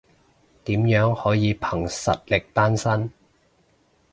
點樣可以憑實力單身？